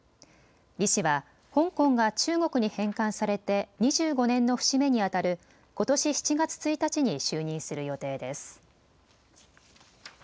李氏は香港が中国に返還されて２５年の節目にあたることし７月１日に就任する予定です。